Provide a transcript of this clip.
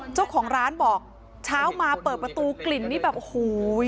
เจ้าของร้านบอกเช้ามาเปิดประตูกลิ่นนี่แบบโอ้โห